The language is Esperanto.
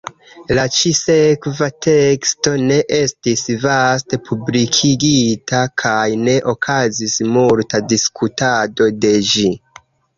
La ĉi-sekva teksto ne estis vaste publikigita kaj ne okazis multa diskutado de ĝi.